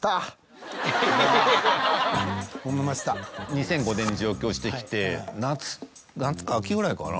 ２００５年に上京してきて夏か秋ぐらいかな？